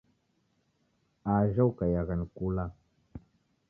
Ajha Ukaiyagha ni kula.